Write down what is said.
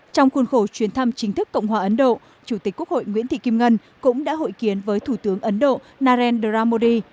trong khuôn khổ chuyến thăm chính thức cộng hòa ấn độ chủ tịch quốc hội nguyễn thị kim ngân cũng đã hội kiến với thủ tướng ấn độ narendra modi